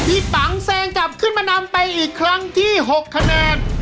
ปังแซงกลับขึ้นมานำไปอีกครั้งที่๖คะแนน